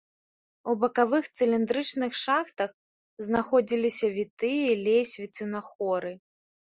У бакавых цыліндрычных шахтах знаходзіліся вітыя лесвіцы на хоры.